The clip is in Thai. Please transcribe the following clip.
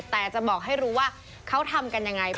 แต่จะบอกให้รู้ว่าเขาทำกันยังไง